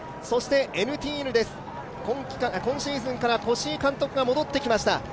そしてＮＴＮです、今シーズンから越井監督が戻ってきました。